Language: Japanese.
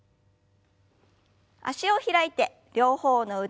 脚を開いて両方の腕を前に。